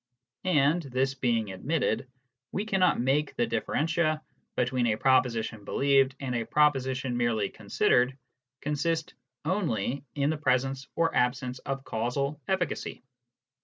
And, this being admitted, we cannot make the differentia between a proposition believed and a proposition merely considered consist only in the presence or absence of causal efficacy.